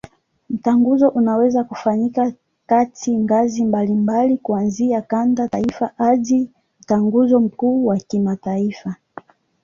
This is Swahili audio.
Mtaguso unaweza kufanyika katika ngazi mbalimbali, kuanzia kanda, taifa hadi Mtaguso mkuu wa kimataifa.